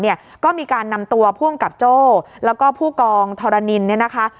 เนี้ยก็มีการนำตัวภวงกับโจ๊ะแล้วก็ผู้กองทรนนินนะคะ